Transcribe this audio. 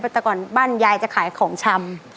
แต่ก่อนบ้านยายจะขายของชำ